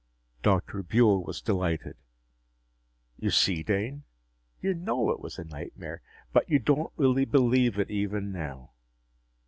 Dr. Buehl was delighted. "You see, Dane? You know it was a nightmare, but you don't really believe it even now.